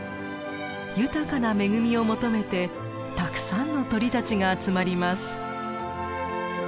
豊かな恵みを求めてたくさんの鳥たちが集まります。